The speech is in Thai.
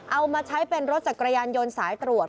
เอามาใช้เป็นรถจักรยานยนต์สายตรวจ